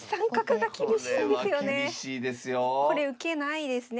これ受けないですね。